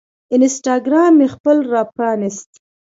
انسټاګرام مې خپل راپرانیست